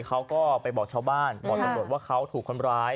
เขาก็ไปบอกชาวบ้านบอกตำรวจว่าเขาถูกคนร้าย